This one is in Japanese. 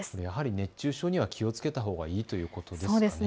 熱中症には気をつけたほうがいいということですね。